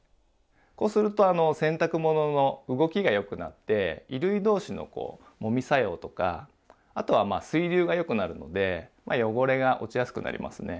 こうすると洗濯物の動きがよくなって衣類同士のこうもみ作用とかあとは水流がよくなるので汚れが落ちやすくなりますね。